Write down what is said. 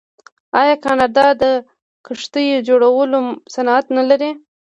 آیا کاناډا د کښتیو جوړولو صنعت نلري؟